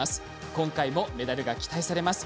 今回もメダルが期待されます。